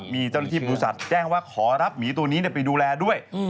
มีเจ้าหน้าที่บริษัทแจ้งว่าขอรับหมีตัวนี้ไปดูแลด้วย